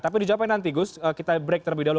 tapi dijawabkan nanti gus kita break terlebih dahulu